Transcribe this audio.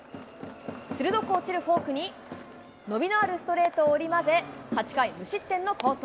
鋭く落ちるフォークに、伸びのあるストレートを織り交ぜ、８回無失点の好投。